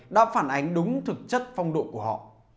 đã phản ánh đúng thực chất phong độ của họ